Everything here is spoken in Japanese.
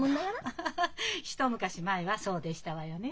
アハハ一昔前はそうでしたわよね。